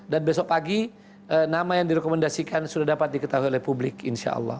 dan besok pagi nama yang direkomendasikan sudah dapat diketahui oleh publik insya allah